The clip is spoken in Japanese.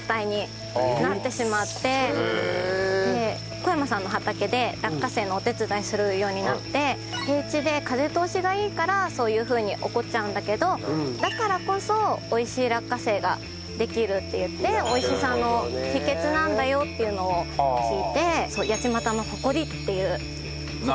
小山さんの畑で落花生のお手伝いするようになって平地で風通しがいいからそういうふうに起こっちゃうんだけどだからこそ美味しい落花生ができるっていって美味しさの秘訣なんだよっていうのを聞いて八街の誇りっていう。